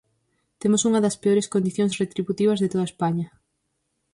Temos unha das peores condicións retributivas de toda España.